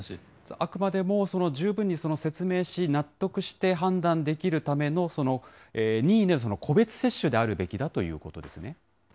あくまでも十分に説明し、納得して判断できるための、任意の個別接種であるべきだということですね。